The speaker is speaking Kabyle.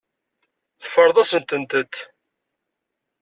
Teffreḍ-asent-tent.